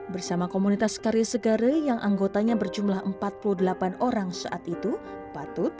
bersama komunitas karya segare yang anggotanya berjumlah empat puluh delapan orang saat itu patut